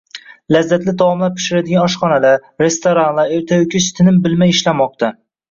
Lazzatli taomlar pishiradigan oshxonalar, restoranlar ertayu kech tinim bilmay ishlamoqda.